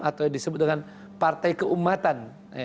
atau disebut dengan partai keumatan